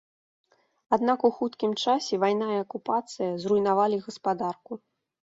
Аднак у хуткім часе вайна і акупацыя зруйнавалі гаспадарку.